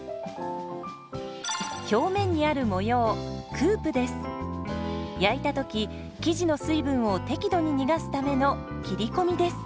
表面にある模様焼いた時生地の水分を適度に逃がすための切り込みです。